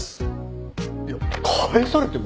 いや返されても。